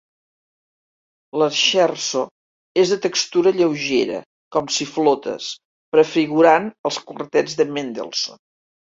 L'scherzo és de textura lleugera, com si flotes, prefigurant els quartets de Mendelssohn.